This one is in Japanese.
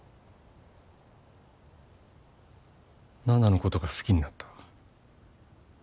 奈々のことが好きになった。